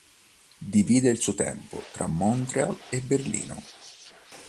Divide il suo tempo tra Montréal e Berlino.